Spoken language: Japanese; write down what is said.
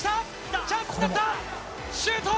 シュート！